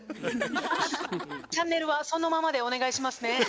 チャンネルはそのままでお願いしますね。